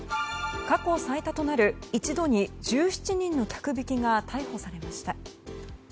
過去最多となる一度に１７人の客引きが逮捕されました。